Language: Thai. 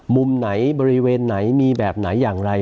มุมไหนบริเวณไหนมีแบบไหนอย่างไร